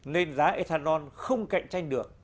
nên giá ethanol không cạnh tranh được